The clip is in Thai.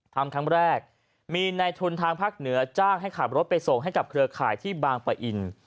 ทำครั้งแรกมีในทุนทางภาคเหนือจ้างให้ขับรถไปส่งให้กับเครือข่ายที่บางปะอิน